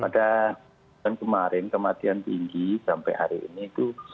pada tahun kemarin kematian tinggi sampai hari ini itu